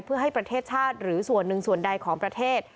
เพื่อให้ประเทศชาติหรือส่วนหนึ่งส่วนใดของประเทศ